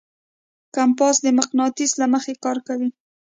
کمپاس د مقناطیس له مخې کار کوي.